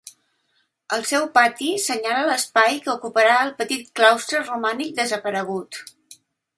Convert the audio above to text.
El seu pati senyala l'espai que ocupà el petit claustre romànic desaparegut.